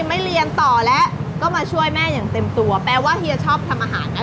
ไม่เรียนต่อแล้วก็มาช่วยแม่อย่างเต็มตัวแปลว่าเฮียชอบทำอาหารนะ